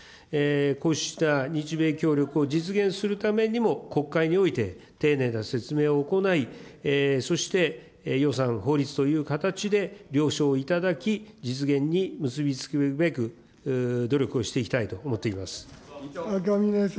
こうした日米協力を実現するためにも、国会において丁寧な説明を行い、そして予算、法律という形で了承をいただき、実現に結び付くべく、努力をしていきたいと思っています。